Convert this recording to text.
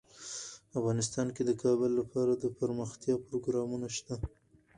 افغانستان کې د کابل لپاره دپرمختیا پروګرامونه شته.